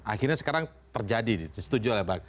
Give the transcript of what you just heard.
akhirnya sekarang terjadi disetujui oleh